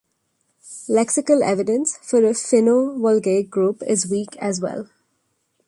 Lexical evidence for a Finno-Volgaic group is weak as well.